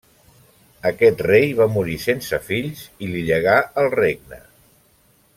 Aquest rei va morir sense fills, i li llegà el regne.